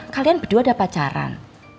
kalian berdua udah pacaran